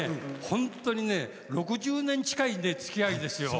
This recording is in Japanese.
ほんとにね６０年近いつきあいですよ！